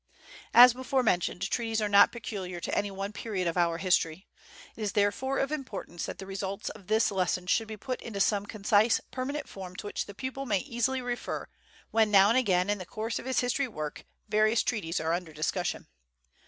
As before mentioned, treaties are not peculiar to any one period of our history. It is, therefore, of importance that the results of the lesson should be put into some concise, permanent form to which the pupil may easily refer when, now and again in the course of his history work, various treaties are under discussion.